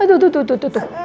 aduh tuh tuh tuh